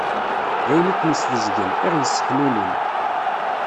D ayen i ken-isbezgen, i ɣ-isseḥlulin.